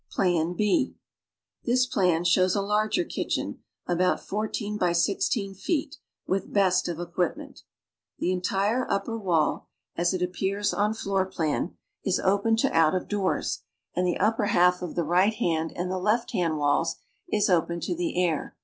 PLAN B This ])lan shows a larger kitchen, about fourteen by sixteen feet, with best of equipment. The entire upper wall (as it apjjears on 17 floor plan) is open to out of doors, and tlic upper half of the right hand and the left hand walls is open to the air.